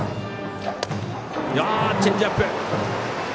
チェンジアップ。